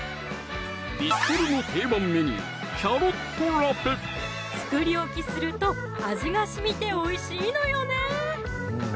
ビストロの定番メニュー作り置きすると味がしみておいしいのよね